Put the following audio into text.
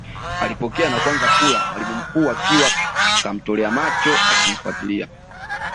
Alipokea na kuanza kula mwalimu mkuu akiwa kamtolea macho akimfuatilia